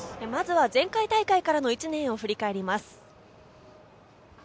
まずは前回大会からの１年を振り返ります。